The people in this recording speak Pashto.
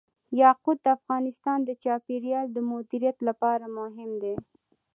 یاقوت د افغانستان د چاپیریال د مدیریت لپاره مهم دي.